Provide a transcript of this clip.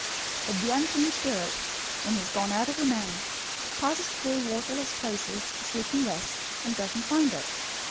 012:043 But the unclean spirit, when he is gone out of the man, passes through waterless places, seeking rest, and doesn't find it.